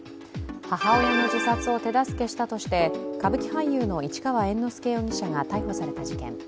母親の自殺を手助けしたとして歌舞伎俳優の市川猿之助容疑者が逮捕された事件